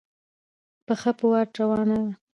پښه په واټ روانه ده.